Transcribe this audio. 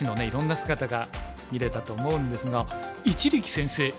いろんな姿が見れたと思うんですが一力先生